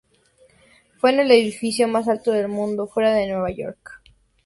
Fue el edificio más alto del mundo fuera de Nueva York.